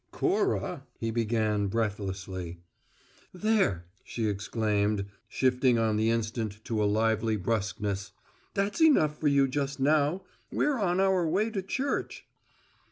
"Cora " he began, breathlessly. "There!" she exclaimed, shifting on the instant to a lively brusqueness. "That's enough for you just now. We're on our way to church!"